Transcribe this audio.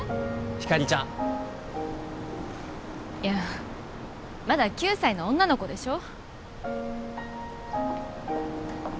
ひかりちゃんいやまだ９歳の女の子でしょ